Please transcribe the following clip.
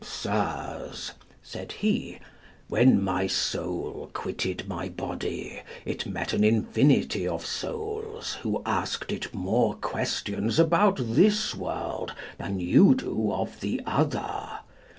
"Sirs," said he, "when my soul quitted my body, it met an infinity of souls, who asked it more questions about this world than you do of the other.